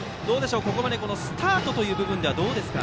ここまでスタートという部分はどうですか。